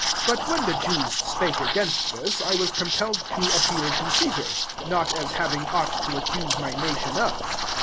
19 But when the Jews spake against this, I Vas compelled to appeal to Caesar; not as having aught to accuse my nation of.